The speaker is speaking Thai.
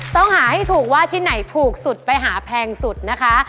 ต้องหาให้ถูกว่าชิ้นไหนถูกสุดไปหาแพงสุดนะคะ